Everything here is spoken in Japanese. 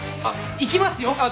行きますよ！